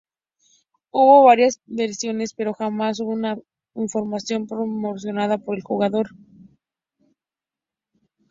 Hubo varias versiones pero jamás hubo una información proporcionada por el jugador.